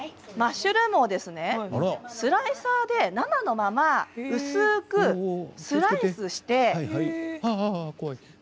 マッシュルームをスライサーで生のまま薄くスライスして。